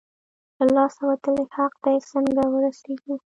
له لاسه وتلی حق دی، څنګه ورسېږو؟